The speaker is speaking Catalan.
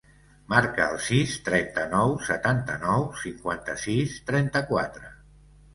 Marca el sis, trenta-nou, setanta-nou, cinquanta-sis, trenta-quatre.